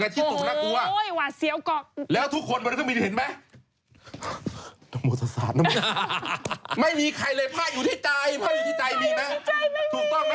นั่งอยู่ประจำเลยค่ะ